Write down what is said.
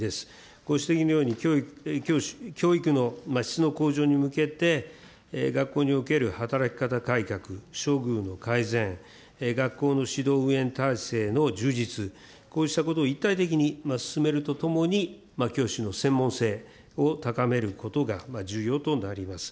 ご指摘のように教育の質の向上に向けて、学校における働き方改革、処遇の改善、学校の指導運営体制の充実、こうしたことを一体的に進めるとともに、教師の専門性を高めることが重要となります。